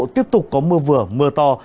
tiếp tục có mưa vừa mưa to